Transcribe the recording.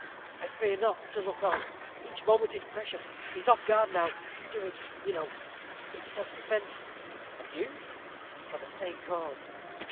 "I fear not to look on. Each moment is precious. He is off his guard now. You do it, you know, in self defence." "And you?" "For the same cause."